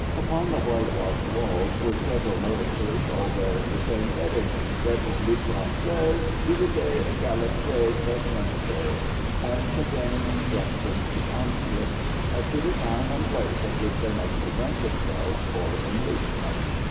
Upon the whitewashed walls were several notices all bearing the same heading, "République Française Liberté, Égalité, Fraternité," and containing instructions to conscripts as to the time and place at which they must present themselves for enlistment.